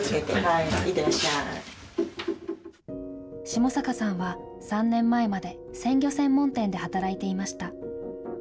下坂さんは、３年前まで鮮魚専門店で働いていました。